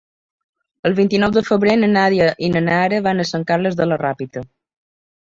El vint-i-nou de febrer na Nàdia i na Nara van a Sant Carles de la Ràpita.